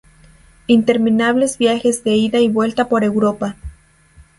Interminables viajes de ida y vuelta por Europa.